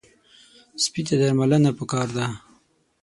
سپي ته درملنه پکار ده.